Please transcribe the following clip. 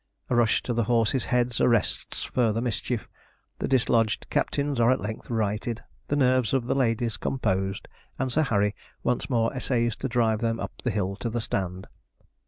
A rush to the horses' heads arrests further mischief, the dislodged captains are at length righted, the nerves of the ladies composed, and Sir Harry once more essays to drive them up the hill to the stand.